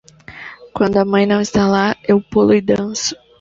Quando a mãe não está lá, eu pulo e danço.